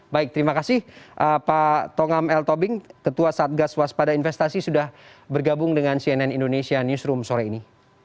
baik terima kasih pak tongam l tobing ketua satgas waspada investasi sudah bergabung dengan cnn indonesia newsroom sore ini